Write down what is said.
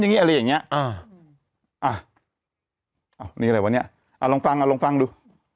อย่างงีอะไรอย่างเงี้อ่าอ่ะอ้าวนี่อะไรวะเนี้ยอ่าลองฟังอ่ะลองฟังดู